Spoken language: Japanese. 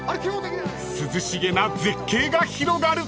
［涼しげな絶景が広がる］